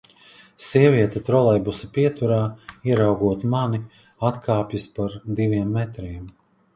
Sieviete trolejbusa pieturā, ieraugot mani, atkāpjas par diviem metriem.